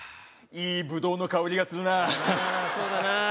いいブドウの香りがするなああ